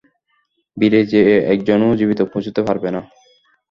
ব্রিজে একজনও জীবিত পৌঁছুতে পারবে না!